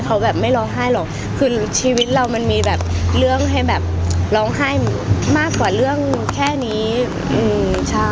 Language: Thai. เขาแบบไม่ร้องไห้หรอกคือชีวิตเรามันมีแบบเรื่องให้แบบร้องไห้มากกว่าเรื่องแค่นี้อืมใช่